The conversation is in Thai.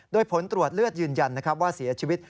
โดยผลตรวจเลือดยืนยันว่าเสียชีวิต